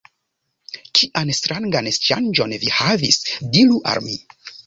Kian strangan sonĝon vi havis? Diru al mi!